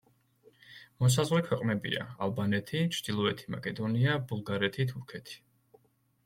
მოსაზღვრე ქვეყნებია: ალბანეთი, ჩრდილოეთი მაკედონია, ბულგარეთი, თურქეთი.